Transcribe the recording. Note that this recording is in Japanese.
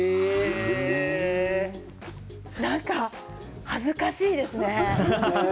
なんか恥ずかしいですね。